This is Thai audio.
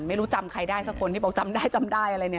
ไม่รู้จำใครได้สักคนที่บอกจำได้จำได้อะไรเนี่ย